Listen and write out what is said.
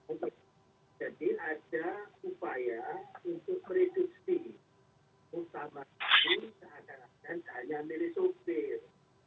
oke jadi ada upaya untuk mereduksi muktamar nu seadanya milik sopir